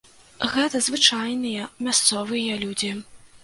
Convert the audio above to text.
Гэта звычайныя мясцовыя людзі.